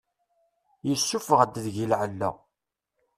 Yessufeɣ-d deg-i lεella.